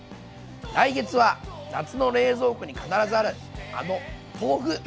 来月は夏の冷蔵庫に必ずあるあの豆腐！